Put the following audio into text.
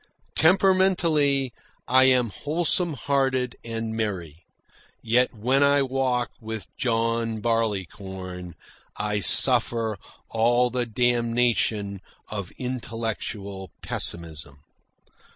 Temperamentally I am wholesome hearted and merry. Yet when I walk with John Barleycorn I suffer all the damnation of intellectual pessimism.